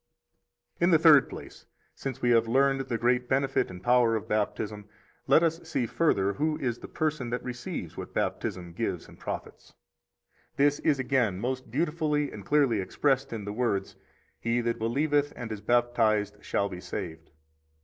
32 In the third place, since we have learned the great benefit and power of Baptism, let us see further who is the person that receives what Baptism gives and profits. 33 This is again most beautifully and clearly expressed in the words: He that believeth and is baptized shall be saved.